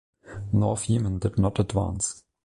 North Yemen did not advance.